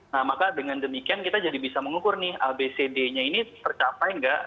nah maka dengan demikian kita jadi bisa mengukur nih abcd nya ini tercapai nggak